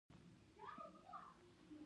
احمد او علي د سر په کاسه کې اوبه سره څښي.